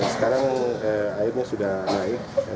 sekarang airnya sudah naik